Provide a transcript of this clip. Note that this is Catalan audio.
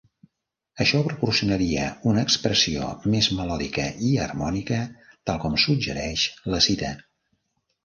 Això proporcionaria una expressió més melòdica i harmònica, tal com suggereix la cita.